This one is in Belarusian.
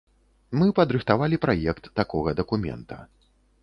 Мы падрыхтавалі праект такога дакумента.